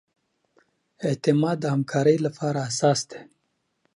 اعتماد د همکارۍ لپاره اساس دی.